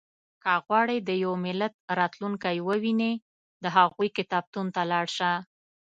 • که غواړې د یو ملت راتلونکی ووینې، د هغوی کتابتون ته لاړ شه.